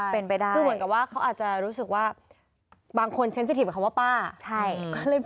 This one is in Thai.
คือเหมือนกับว่าเขาอาจจะรู้สึกว่าบางคนสังคมแปดชื่อพูดว่าป๊า